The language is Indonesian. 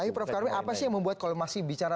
tapi prof karwi apa sih yang membuat kalau masih bicara